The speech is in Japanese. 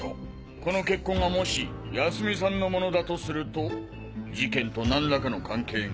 この血痕がもし泰美さんのものだとすると事件と何らかの関係が。